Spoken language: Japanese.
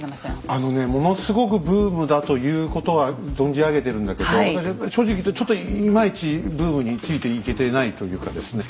あのねものすごくブームだということは存じ上げてるんだけど私は正直言うとちょっといまいちブームについていけてないというかですね。